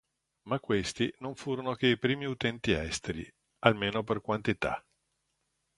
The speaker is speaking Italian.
Ma questi non furono che i primi utenti esteri, almeno per quantità.